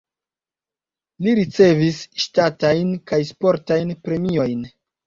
Li ricevis ŝtatajn kaj sportajn premiojn.